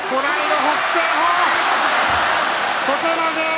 小手投げ。